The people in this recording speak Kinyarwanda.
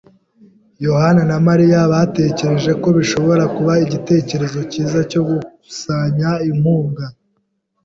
yohani na Mariya batekereje ko bishobora kuba igitekerezo cyiza cyo gukusanya inkunga.